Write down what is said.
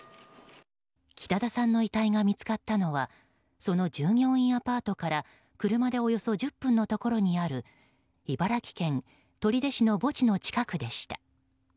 北田さんの遺体が見つかったのはその従業員アパートから車でおよそ１０分のところにある茨城県取手市の墓地の近くでした。